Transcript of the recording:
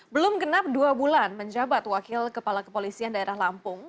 belum genap dua bulan menjabat wakil kepala kepolisian daerah lampung